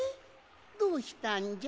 どうしたんじゃ？